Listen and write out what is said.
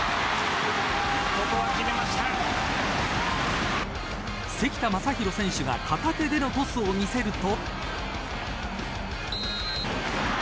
ここは決めました関田誠大選手が片手でのトスを見せると。